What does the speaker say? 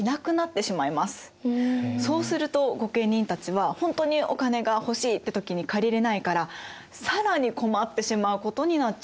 そうすると御家人たちはほんとにお金が欲しいって時に借りれないから更に困ってしまうことになっちゃったんです。